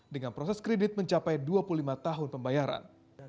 dengan proses kredit mencapai dua puluh lima tahun pembayaran